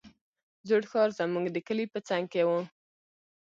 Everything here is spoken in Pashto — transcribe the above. زوړ ښار زموږ د کلي په څنگ کښې و.